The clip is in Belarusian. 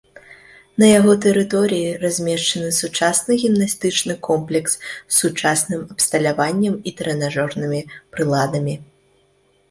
На яго тэрыторыі размешчаны сучасны гімнастычны комплекс з сучасным абсталяваннем і трэнажорнымі прыладамі.